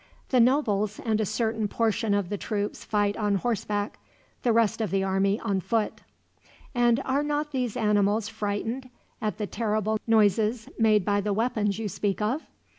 "The nobles and a certain portion of the troops fight on horseback, the rest of the army on foot." "And are not these animals frightened at the terrible noises made by the weapons you speak of?"